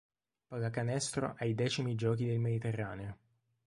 Pallacanestro ai X Giochi del Mediterraneo